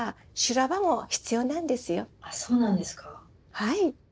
はい。